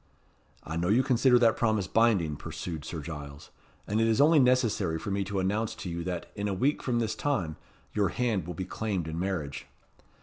"I know you consider that promise binding," pursued Sir Giles; "and it is only necessary for me to announce to you that, in a week from this time, your hand will be claimed in marriage."